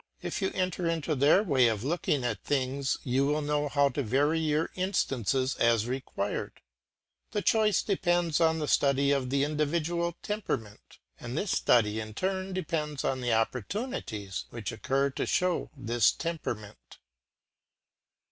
If you enter into their way of looking at things you will know how to vary your instances as required; the choice depends on the study of the individual temperament, and this study in turn depends on the opportunities which occur to show this temperament.